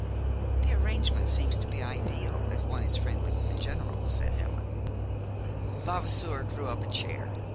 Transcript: "The arrangement seems to be ideal if one is friendly with the General," said Helen. Vavasour drew up a chair.